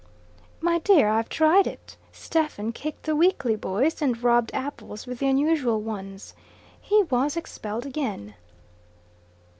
"My dear, I've tried it. Stephen kicked the weakly boys and robbed apples with the unusual ones. He was expelled again."